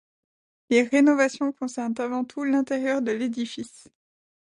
Les rénovations concernent avant tout l’intérieur de l’édifice.